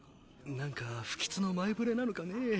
・何か不吉の前触れなのかねえ